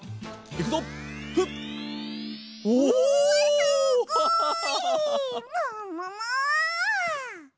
すごい！ももも！